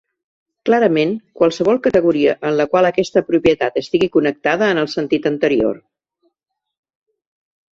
Clarament, qualsevol categoria en la qual aquesta propietat estigui connectada en el sentit anterior.